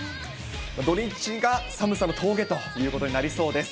土日が寒さの峠ということになりそうです。